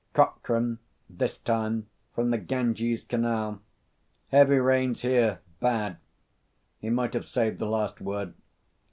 "Cockran, this time, from the Ganges Canal: 'Heavy rains here. Bad.' He might have saved the last word.